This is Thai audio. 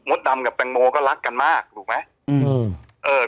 ดำกับแตงโมก็รักกันมากถูกไหม